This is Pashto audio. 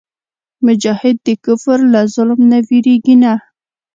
مجاهد د کفر له ظلم نه وېرېږي نه.